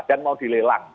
dan mau dilelang